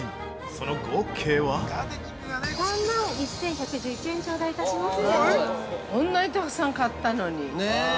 その合計は◆３万１１１１円ちょうだいいたします。